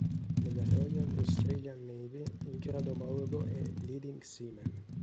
Nella Royal Australian Navy il grado omologo è Leading Seaman.